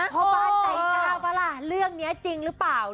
พ่อบ้านใจก้าวป่ะล่ะเรื่องนี้จริงหรือเปล่า